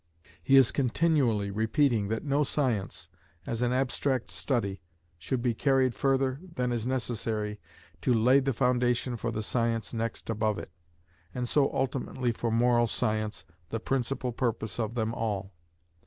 He is continually repeating that no science, as an abstract study, should be carried further than is necessary to lay the foundation for the science next above it, and so ultimately for moral science, the principal purpose of them all.